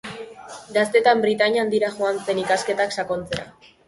Gaztetan Britainia Handira joan zen ikasketak sakontzera.